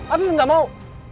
afif nggak mau